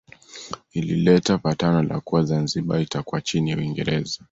Ulileta patano la kuwa Zanzibar itakuwa chini ya Uingereza